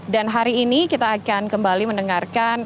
dan hari ini kita akan kembali mendengarkan